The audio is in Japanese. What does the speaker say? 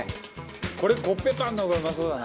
「これコッペパンの方がうまそうだな」